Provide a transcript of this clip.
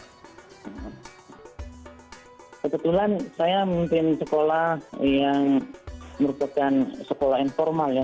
kebetulan saya memimpin sekolah yang merupakan sekolah informal ya